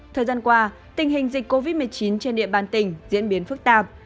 thời gian qua tình hình dịch covid một mươi chín trên địa bàn tỉnh diễn biến phức tạp